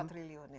empat triliun ya